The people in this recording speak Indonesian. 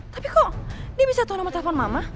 tapi kok dia bisa tahu nomor telepon mama